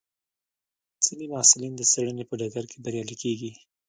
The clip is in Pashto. ځینې محصلین د څېړنې په ډګر کې بریالي کېږي.